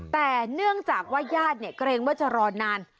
แต่เนื่องจากว่าย่าดเกรงว่าจะรอนาน